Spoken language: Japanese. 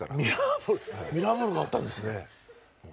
ミラーボールがあったんですね。